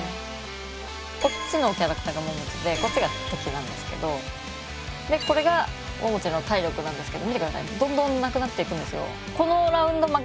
こっちのキャラクターがももちでこっちが敵なんですけどこれがももちの体力なんですけど見て下さいどんどんなくなっていくんですよ。